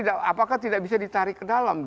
apakah tidak bisa ditarik ke dalam